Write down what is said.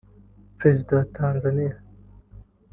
Perezida wa Tanzania